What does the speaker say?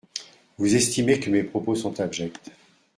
Vous estimez, que mes propos sont abjects.